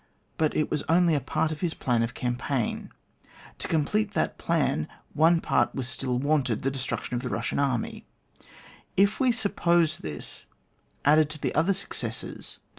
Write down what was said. But it was only a part of his Flan of campaign ; to complete that Flan, one part was still wanted, the destruction of the Eussian artny ; if we suppose this, added to the other success, then the peace • Book I.